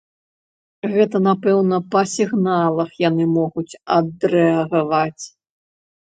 Гэта, напэўна, па сігналах яны могуць адрэагаваць.